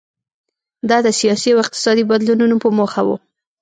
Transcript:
دا د سیاسي او اقتصادي بدلونونو په موخه و.